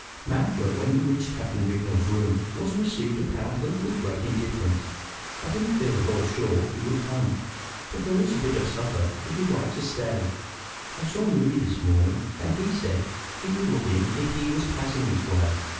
Mountjoy, when he reached Captain Vignolles's rooms, was received apparently with great indifference. "I didn't feel at all sure you would come. But there is a bit of supper, if you like to stay. I saw Moody this morning, and he said he would look in if he was passing this way.